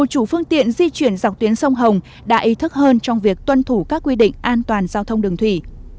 trong vụ việc tuân thủ các quy định an toàn giao thông đường thủy